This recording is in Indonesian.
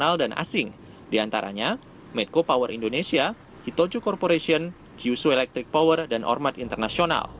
perusahaan nasional dan asing diantaranya medco power indonesia hitoju corporation kyusho electric power dan ormat internasional